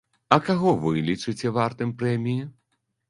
А каго вы лічыце вартым прэміі?